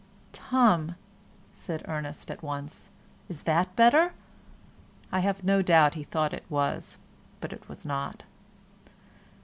"Tum," said Ernest, at once; "is that better?" I have no doubt he thought it was, but it was not.